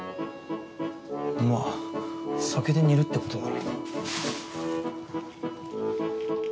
まあ酒で煮るってことだろ。